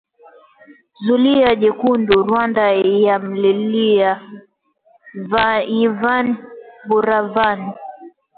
ZULIA JEKUNDU Rwanda yamlilia Yvan Buravan